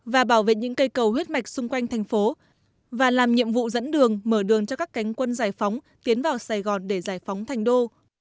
và bảo vệ những cây cầu huyết mạch xung quanh thành phố và làm nhiệm vụ dẫn đường mở đường cho các cánh quân giải phóng tiến vào sài gòn để giải phóng thành đô